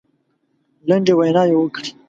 لنډې ویناوي وکړې.